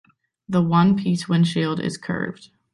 The one-piece windshield is curved.